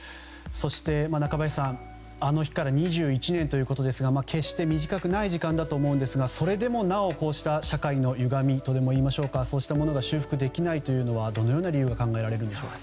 そして、中林さんあの日から２１年ということですが決して短くない時間だと思うんですが、それでもなおこうした社会のゆがみとでも言いましょうかそうしたものが修復できないというのはどのような理由が考えられるんでしょう。